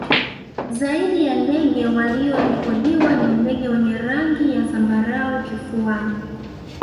Zaidi ya ndege waliorikodiwa ni ndege wenye rangi ya zambarau kifuani